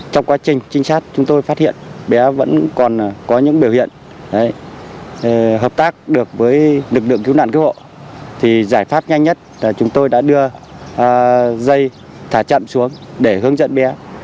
trong quá trình trinh sát chúng tôi phát hiện bé vẫn còn có những biểu hiện hợp tác được với lực lượng cứu nạn cứu hộ thì giải pháp nhanh nhất là chúng tôi đã đưa dây thả chậm xuống để hướng dẫn bé